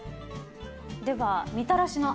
ではみたらしのあんを。